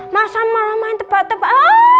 mas al malah main tebak tebak